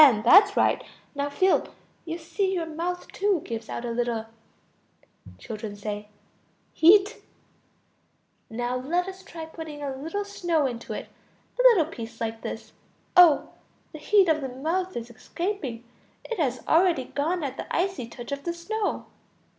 That's right. Now feel. You see your mouth too gives out a little ... Children. Heat. Now let us try putting a little snow into it. A little piece like this. Oh! the heat of the mouth is escaping, it has already gone at the icy touch of the snow.